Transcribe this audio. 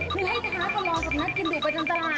คือให้ท้าประลองสำนักกินดูประจำตลาด